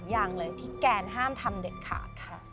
อย่างเลยที่แกนห้ามทำเด็ดขาดค่ะ